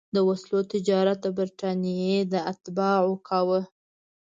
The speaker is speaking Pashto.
د وسلو تجارت برټانیې اتباعو کاوه.